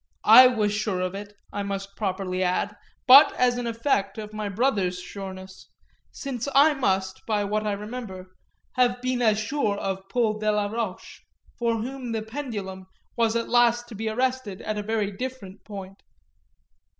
I was sure of it, I must properly add, but as an effect of my brother's sureness; since I must, by what I remember, have been as sure of Paul Delaroche for whom the pendulum was at last to be arrested at a very different point.